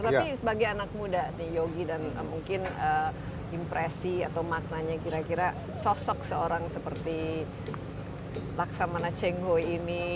tapi sebagai anak muda nih yogi dan mungkin impresi atau maknanya kira kira sosok seorang seperti laksamana cheng ho ini